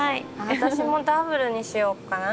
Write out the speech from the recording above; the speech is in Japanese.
私もダブルにしようかな。